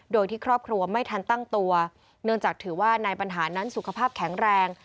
โดยที่ครอบครัวไม่ทันตั้งตัวเนื่องจากถือว่านายบรรหารนั้นสุขภาพแข็งแรง